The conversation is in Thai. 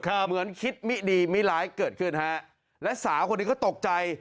เหมือนคิดมิดีมิร้ายเกิดขึ้นฮะและสาวคนนี้ก็ตกใจ